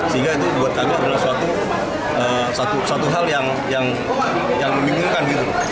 sehingga itu buat kami adalah suatu hal yang membingungkan